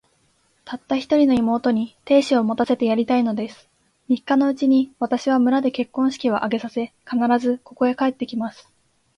たった一人の妹に、亭主を持たせてやりたいのです。三日のうちに、私は村で結婚式を挙げさせ、必ず、ここへ帰って来ます。